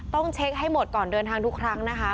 ต้องเช็คให้หมดก่อนเดินทางทุกครั้งนะคะ